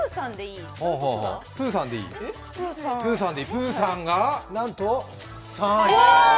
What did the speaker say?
プーさんが、なんと３位。